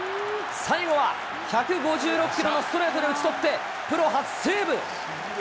最後は１５６キロのストレートで打ち取って、プロ初セーブ。